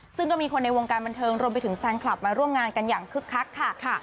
ซึ่งก็มีคนในวงการบันเทิงรวมไปถึงแฟนคลับมาร่วมงานกันอย่างคึกคักค่ะ